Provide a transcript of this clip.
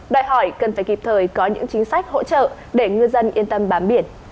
đòi hỏi cần phải kịp thời có những chính sách hỗ trợ để ngư dân yên tâm bám biển